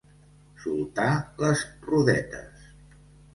Soltar les rodetes.